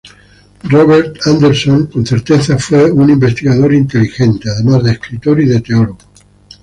Robert Anderson con certeza fue un investigador inteligente, además de escritor y de teólogo.